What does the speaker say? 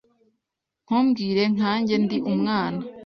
Ntumbwire nkanjye ndi umwana.